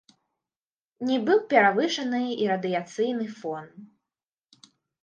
Не быў перавышаны і радыяцыйны фон.